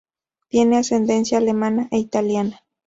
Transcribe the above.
Tiene ascendencia alemana e italiana.